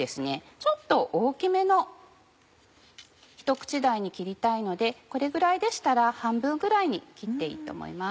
ちょっと大きめのひと口大に切りたいのでこれぐらいでしたら半分ぐらいに切っていいと思います。